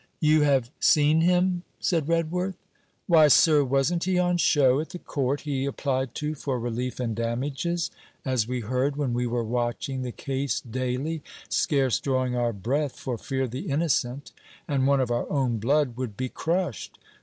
'You have seen him?' said Redworth. 'Why, sir, wasn't he on show at the Court he applied to for relief and damages? as we heard when we were watching the case daily, scarce drawing our breath for fear the innocent and one of our own blood, would be crushed.